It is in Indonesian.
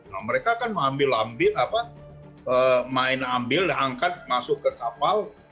nah mereka kan mengambil ambil main ambil dan angkat masuk ke kapal